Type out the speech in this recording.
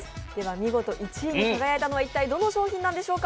見事１位に輝いたのは一体どの商品なんでしょうか。